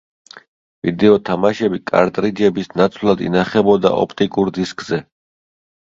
ვიდეო თამაშები კარტრიჯების ნაცვლად ინახებოდა ოპტიკურ დისკზე.